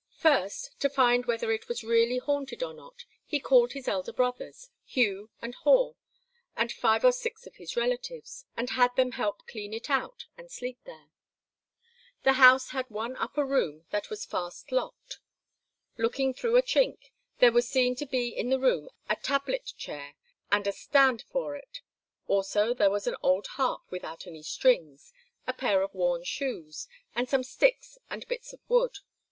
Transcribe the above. First, to find whether it was really haunted or not, he called his elder brothers, Hugh and Haw, and five or six of his relatives, and had them help clean it out and sleep there. The house had one upper room that was fast locked. Looking through a chink, there was seen to be in the room a tablet chair and a stand for it; also there was an old harp without any strings, a pair of worn shoes, and some sticks and bits of wood.